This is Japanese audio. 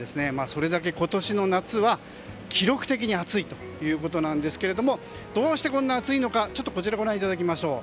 それだけ今年の夏は記録的に暑いということですがどうしてこんなに暑いのかこちらをご覧いただきましょう。